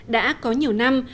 đã có nhiều năm